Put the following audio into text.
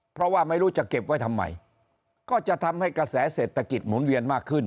เพราะว่าไม่รู้จะเก็บไว้ทำไมก็จะทำให้กระแสเศรษฐกิจหมุนเวียนมากขึ้น